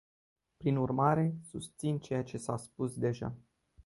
Prin urmare, susținem ceea ce s-a spus deja.